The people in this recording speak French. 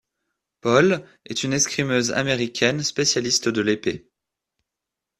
Paul, est une escrimeuse américaine spécialiste de l'épée.